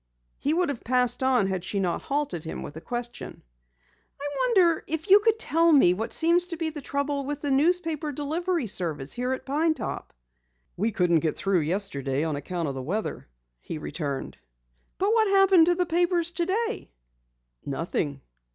He would have passed on had she not halted him with a question. "I wonder if you could tell me what seems to be the trouble with the newspaper delivery service here at Pine Top?" "We couldn't get through yesterday on account of the weather," he returned. "But what happened to the papers today?" "Nothing."